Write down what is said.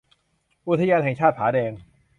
อุทยานแห่งชาติผาแดง